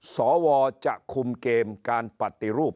สวจะคุมเกมการปฏิรูป